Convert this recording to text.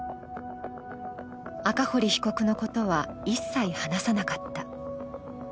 赤堀被告のことは一切話さなかった。